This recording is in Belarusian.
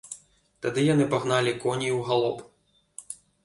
Тады яны пагналі коней у галоп.